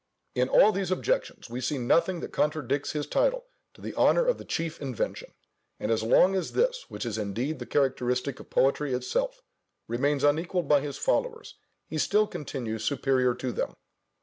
In all these objections we see nothing that contradicts his title to the honour of the chief invention: and as long as this (which is indeed the characteristic of poetry itself) remains unequalled by his followers, he still continues superior to them.